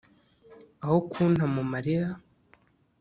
Aho kunta mu marira